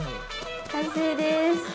完成です。